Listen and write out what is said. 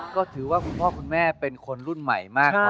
ก็ถือว่าคุณพ่อคุณแม่เป็นคนรุ่นใหม่มากครับ